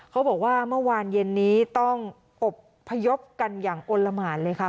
เขาบอกว่าเมื่อวานเย็นนี้ต้องอบพยพกันอย่างอลละหมานเลยค่ะ